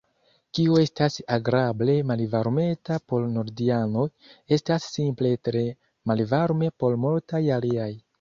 Kio estas agrable malvarmeta por nordianoj, estas simple tre malvarme por multaj aliaj.